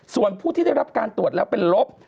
ส่วนผู้ที่ได้รับการตรวจแล้วเป็นลบ